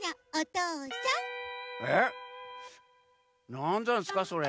なんざんすかそれ？